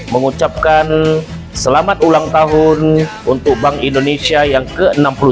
mengucapkan selamat ulang tahun untuk bank indonesia yang ke enam puluh tiga